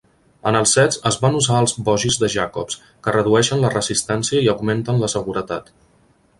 En els sets es van usar els "bogis" de Jacobs, que redueixen la resistència i augmenten la seguretat.